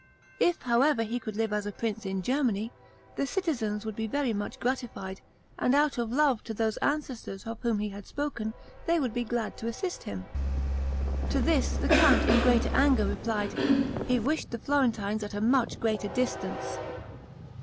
If, however, he could live as a prince in Germany, the citizens would be very much gratified; and out of love to those ancestors of whom he had spoken, they would be glad to assist him." To this, the count, in great anger, replied: "He wished the Florentines at a much greater distance."